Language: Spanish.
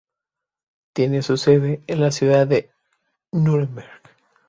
Tiene su sede en la ciudad de Núremberg.